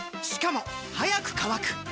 しかも速く乾く！